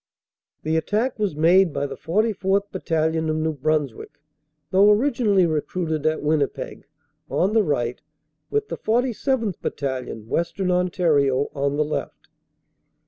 The attack was made by the 44th. Battalion, of New Bruns wick though originally recruited at Winnipeg, on the right, with the 47th. Battalion, Western Ontario, on the left.